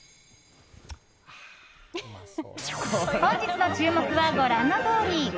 本日の注目は、ご覧のとおり。